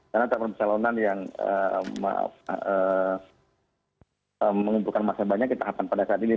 karena tahapan pencalonan yang mengumpulkan masyarakat banyak di tahapan pada saat ini